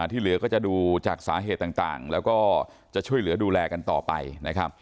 ที่เหลือก็จะดูจากสาเหตุต่างแล้วก็จะช่วยเหลือดูแลกันต่อไปนะครับ